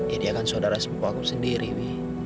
ya dia kan saudara sepupu aku sendiri wi